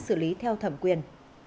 xử lý theo thẩm quyền